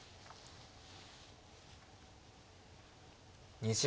２０秒。